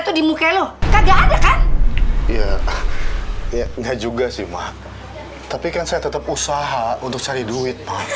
tuh di muka lu kagak ada kan iya ya nggak juga sih mak tapi kan saya tetap usaha untuk cari duit